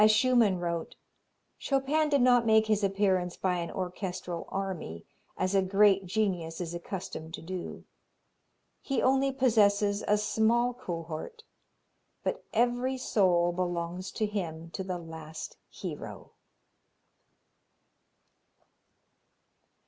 As Schumann wrote: "Chopin did not make his appearance by an orchestral army, as a great genius is accustomed to do; he only possesses a small cohort, but every soul belongs to him to the last hero."